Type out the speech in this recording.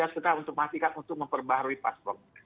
suka untuk memperbaharui paspor